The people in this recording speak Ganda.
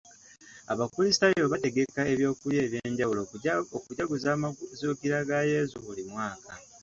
Abakulisitaayo bategeka eby'okulya eby'enjawulo okujaguza amazuukira ga Yesu buli mwaka.